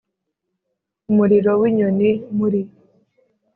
umuriro w'inyoni muri